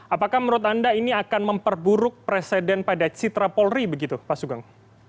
apakah menurut anda ini akan memperburuk presiden pada citra polri begitu pak sugeng